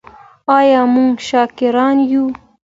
آیا موږ شاکران یو؟